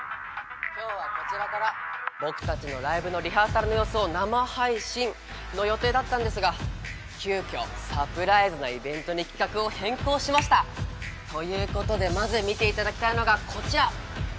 今日はこちらから僕たちのライブのリハーサルの様子を生配信！の予定だったんですが急遽サプライズなイベントに企画を変更しました！ということでまず見ていただきたいのがこちら！